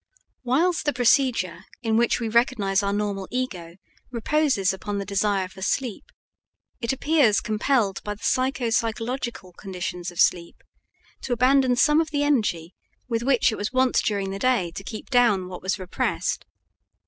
Whilst the procedure in which we recognize our normal ego reposes upon the desire for sleep, it appears compelled by the psycho physiological conditions of sleep to abandon some of the energy with which it was wont during the day to keep down what was repressed.